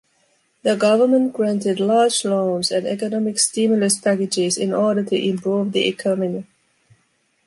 The government granted large loans and economic stimulus packages in order to improve the economy.